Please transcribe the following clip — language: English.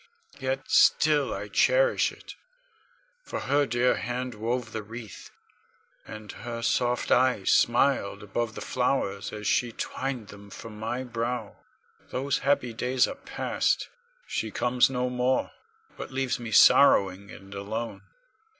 Yet still I cherish it, for her dear hand wove the wreath, and her soft eyes smiled above the flowers as she twined them for my brow. Those happy days are passed; she comes no more, but leaves me sorrowing and alone.